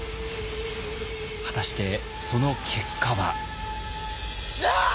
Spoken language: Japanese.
果たしてその結果は？